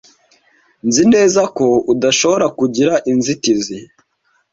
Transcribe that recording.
Nzi neza ko adashobora kugira inzitizi.